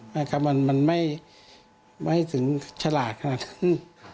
นะครับมันไม่ถึงฉลาดขนาดนั้น